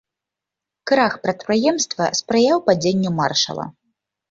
Крах прадпрыемства спрыяў падзенню маршала.